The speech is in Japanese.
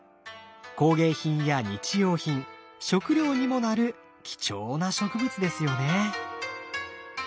工芸品や日用品食料にもなる貴重な植物ですよね。